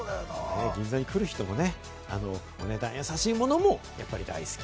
銀座に来る人もね、お値段が優しいものも大好き。